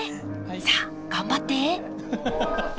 さあ頑張って！